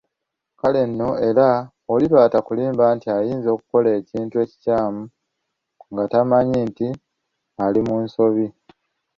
Kale nno era oli lw'atakulimba nti ayinza okukola ekintu ekikyamu nga tamanyi nti ali mu nsobi.